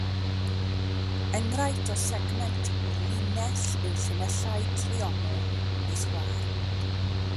Enghraifft o segment o linell yw llinellau triongl neu sgwâr.